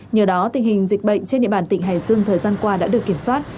nhờ đó tình hình dịch bệnh trên địa bàn tỉnh hải dương thời gian qua đã được kiểm soát